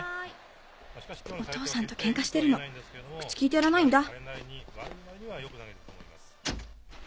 お父さんとケンカしてるの口きいてやらないんだ。